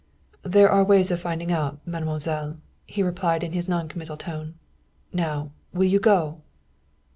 "There are ways of finding out, mademoiselle," he replied in his noncommittal voice. "Now, will you go?"